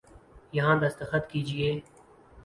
یہاں دستخط کیجئے